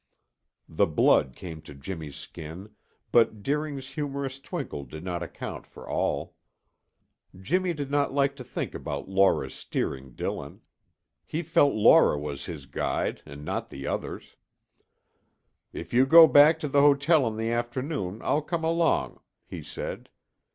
The blood came to Jimmy's skin, but Deering's humorous twinkle did not account for all. Jimmy did not like to think about Laura's steering Dillon; he felt Laura was his guide and not the other's. "If you go back to the hotel in the afternoon, I'll come along," he said.